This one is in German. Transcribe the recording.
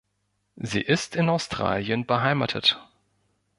Sie ist in Australien beheimatet.